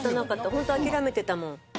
ホント諦めてたもん。